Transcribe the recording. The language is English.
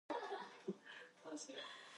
Pavlichenko was born in Azerbaijan.